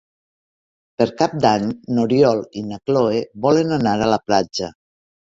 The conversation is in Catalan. Per Cap d'Any n'Oriol i na Cloè volen anar a la platja.